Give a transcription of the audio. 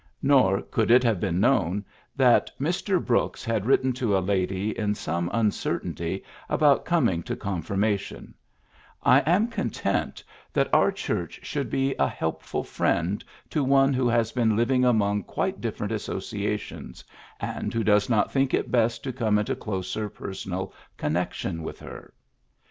Nor could it have been known that Mr. Brooks had written to a lady in some uncertainity about coming to confirmation, '' I am content that our _tf &, 100 PHILLIPS BEOOKS Church should be a helpful friend to one who has been living among quite different associations, and who does not think it best to come into closer personal connection with her."